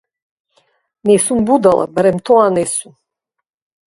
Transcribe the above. Не сум будала, барем тоа не сум.